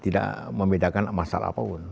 tidak membedakan masalah apapun